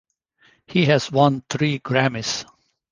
He has won three Grammys.